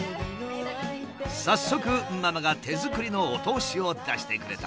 早速ママが手作りのお通しを出してくれた。